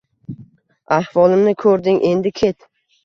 Ahvolimni koʻrding, endi ket!